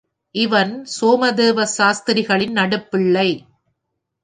இவன் சோமதேவ சாஸ்திரிகளின் நடுப்பிள்ளை.